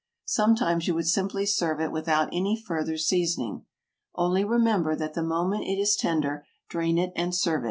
Sometimes you would simply serve it without any further seasoning, only remember that the moment it is tender, drain it and serve.